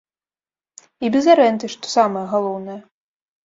І без арэнды, што самае галоўнае!